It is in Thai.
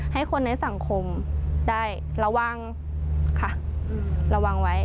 ให้คนในสังคมได้ระวังค่ะระวังไว้